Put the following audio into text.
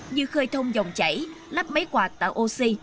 như khơi thông dòng chảy lắp máy quạt tạo oxy